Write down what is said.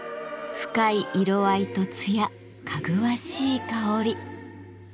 深い色合いと艶かぐわしい香り。